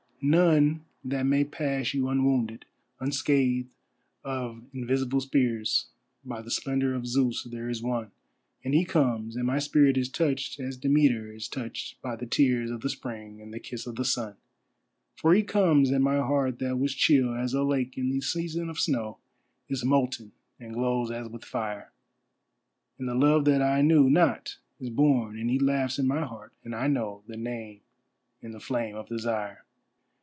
None that may pass you unwounded, unscathed of invisible spears— By the splendour of Zeus there is one, And he comes, and my spirit is touched as Demeter is touched by the tears Of the Spring and the kiss of the sun. For he comes, and my heart that was chill as a lake in the season of snow, Is molten, and glows as with fire. And the Love that I knew not is born and he laughs in my heart, and I know The name and the flame of Desire.